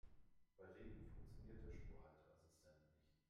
Bei Regen funktioniert der Spurhalteassistent nicht.